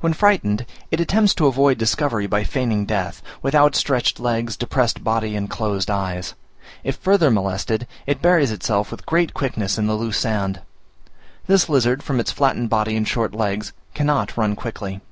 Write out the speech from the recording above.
When frightened, it attempts to avoid discovery by feigning death, with outstretched legs, depressed body, and closed eyes: if further molested, it buries itself with great quickness in the loose sand. This lizard, from its flattened body and short legs, cannot run quickly.